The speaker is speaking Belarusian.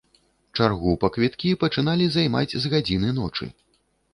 Чаргу па квіткі пачыналі займаць з гадзіны ночы.